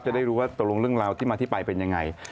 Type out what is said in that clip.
จะได้รู้ว่าตกลงเรื่องราวที่มาที่ไปเป็นยังไง